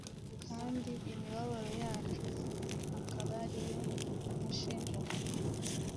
kandi imibabaro yacu akaba ari yo yashenjaguriwe